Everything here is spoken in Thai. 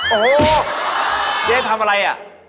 โอ้โฮเจ๊ทำอะไรอ่ะ